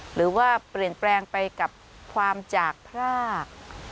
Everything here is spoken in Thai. หรือว่าเปลี่ยนแปลงไปกับความจากพราก